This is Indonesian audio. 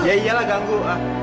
ya iyalah ganggu